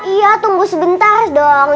iya tunggu sebentar dong